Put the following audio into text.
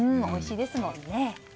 おいしいですからね。